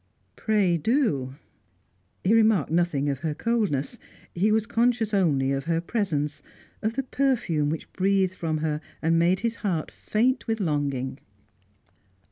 "Pray do." He remarked nothing of her coldness; he was conscious only of her presence, of the perfume which breathed from her and made his heart faint with longing.